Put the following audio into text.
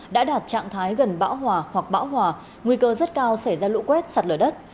đã đạt trạng thái gần bão hòa hoặc bão hòa nguy cơ rất cao xảy ra lũ quét sạt lở đất